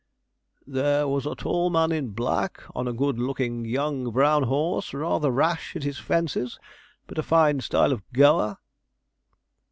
'There was a tall man in black, on a good looking young brown horse, rather rash at his fences, but a fine style of goer.'